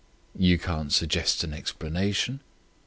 "You can't suggest an explanation?"